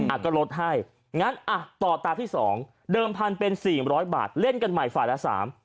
อ่ะก็ลดให้งั้นอ่ะต่อตามที่๒เดิมพันเป็น๔๐๐บาทเล่นกันใหม่ฝ่ายละ๓